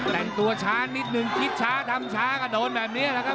แต่งตัวช้านิดนึงคิดช้าทำช้าก็โดนแบบนี้แหละครับ